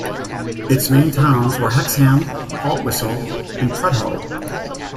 Its main towns were Hexham, Haltwhistle and Prudhoe.